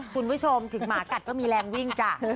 คุณผู้ชมถึงหมากัดก็มีแรงวิ่งจ้ะ